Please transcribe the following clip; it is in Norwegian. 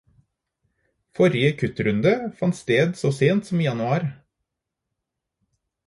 Forrige kuttrunde fant sted så sent som i januar.